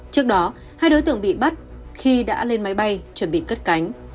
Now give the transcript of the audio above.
trước đó hai đối tượng bị bắt khi đã lên máy bay chuẩn bị cất cánh